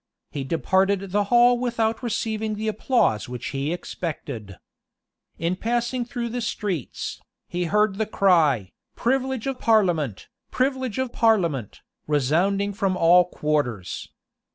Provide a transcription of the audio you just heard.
He departed the hall without receiving the applause which he expected. In passing through the streets, he heard the cry, "Privilege of parliament! privilege of parliament!" resounding from all quarters.